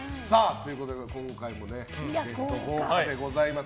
今回もゲストが豪華でございます。